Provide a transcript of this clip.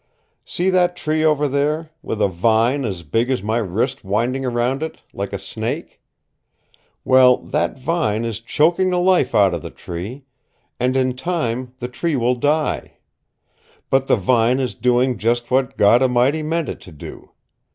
See that tree over there, with a vine as big as my wrist winding around it, like a snake? Well, that vine is choking the life out of the tree, and in time the tree will die. But the vine is doing just what God A'mighty meant it to do.